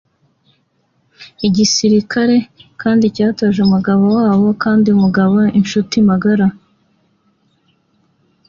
Igisirikare kandi cyatoje umugabo wabo kandi numugabo inshuti magara